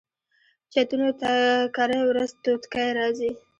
چتونو ته کرۍ ورځ توتکۍ راځي